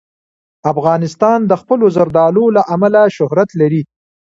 افغانستان د خپلو زردالو له امله شهرت لري.